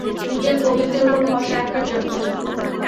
নিজের প্রবৃত্তির ওপর ভরসা রাখার জন্য।